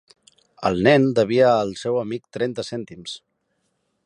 El nen devia al seu amic trenta cèntims.